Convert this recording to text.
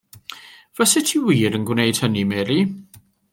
Fasat ti wir yn gwneud hynny Mary?